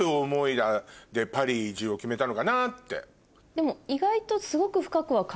でも意外と。